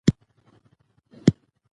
د لیکوالانو ژوند الهام بخش دی.